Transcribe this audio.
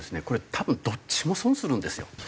これ多分どっちも損するんですよ。